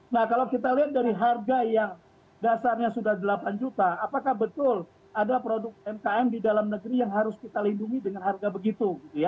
nah kalau kita lihat dari harga yang dasarnya sudah delapan juta apakah betul ada produk umkm di dalam negeri yang harus kita lindungi dengan harga begitu